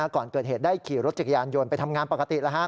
ก่อนเกิดเหตุได้ขี่รถจักรยานยนต์ไปทำงานปกติ